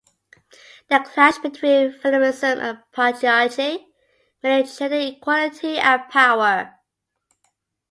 feminism اور patriarchy کے درمیان ٹکراؤ بنیادی طور پر صنفی برابری اور طاقت